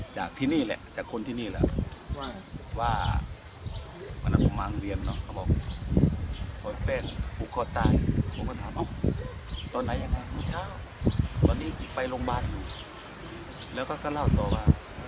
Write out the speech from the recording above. จากที่นี่แหละจากคนที่นี่แหละ